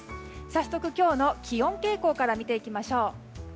早速、今日の気温傾向から見ていきましょう。